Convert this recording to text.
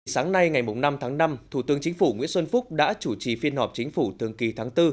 sáng nay ngày năm tháng năm thủ tướng chính phủ nguyễn xuân phúc đã chủ trì phiên họp chính phủ thường kỳ tháng bốn